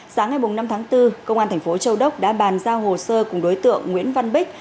sáng ngày năm tháng bốn công an thành phố châu đốc đã bàn giao hồ sơ cùng đối tượng nguyễn văn bích